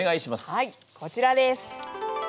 はいこちらです。